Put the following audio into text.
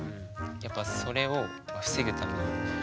やっぱそれを防ぐために。